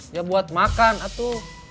ya buat makan atuh